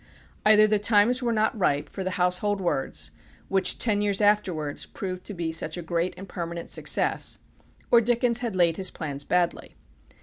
Either the times were not ripe for the Household Words, which, ten years afterwards, proved to be such a great and permanent success, or Dickens had laid his plans badly.